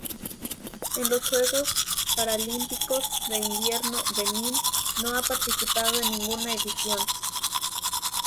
En los Juegos Paralímpicos de Invierno Benín no ha participado en ninguna edición.